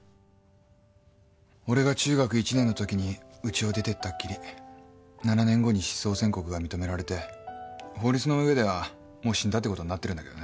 俺が中学１年のときにウチを出ていったきり７年後に失踪宣告が認められて法律のうえではもう死んだってことになってるんだけどね。